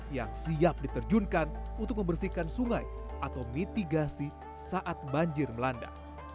yang siap diterjunkan untuk membersihkan sungai atau mitigasi saat banjir melanda